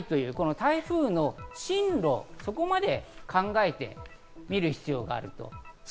台風の進路、ここまで考えて見る必要がある。